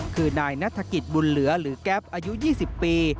คือนายนัฐกิจบุญเหลือหรือแก๊ปอายุ๒๐ปี